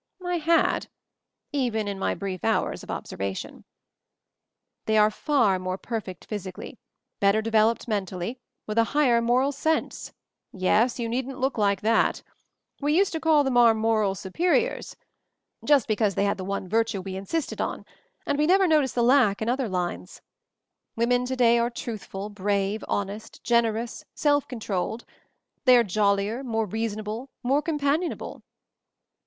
I had, even in my brief hours of obser vation. "They are far more perfect physically, better developed mentally, with a higher moral sense — yes, you needn't look like that ! We used to call them our 'moral superiors,' 118 MOVING THE MOUNTAIN just because they had the one virtue we in sisted on — and we never noticed the lack in other lines. Women to day are truthful, brave, honest, generous, self controlled ; they are — jollier, more reasonable, more compan ionable."